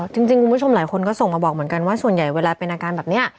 จริงคุณผู้ชมหลายคนก็ส่งมาบอกเหมือนกันว่าส่วนใหญ่เวลาเป็นอาการแบบนี้